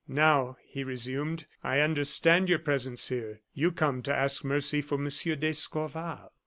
"Now," he resumed, "I understand your presence here. You come to ask mercy for Monsieur d'Escorval."